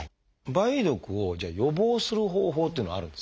梅毒をじゃあ予防する方法というのはあるんですか？